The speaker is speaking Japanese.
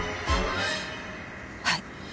はい。